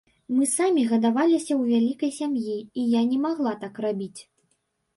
Мы самі гадаваліся ў вялікай сям'і, і я не магла так рабіць.